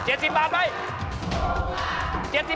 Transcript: เอาไว้